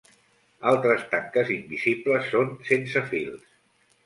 Altres tanques invisibles són sense fils.